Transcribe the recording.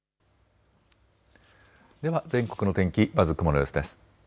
では全国の天気、まず雲の様子です。